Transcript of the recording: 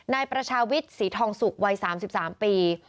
นายประชาวิทย์ศรีทองสุกวัย๓๓ปี